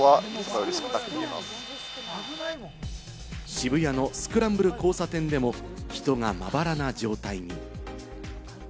渋谷のスクランブル交差点でも、人がまばらな状態に。